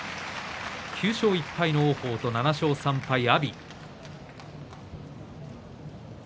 ９勝１敗の王鵬と７勝３敗の阿炎。